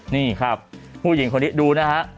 นี่ครับผู้หญิงคนนี้ดูนะฮะ